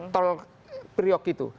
tol priok itu